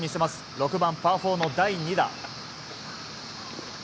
６番、パー４の第２打。